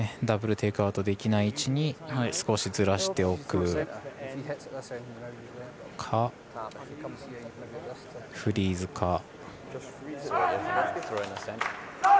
ダブル・テイクアウトできない位置に少し、ずらしておくかフリーズか。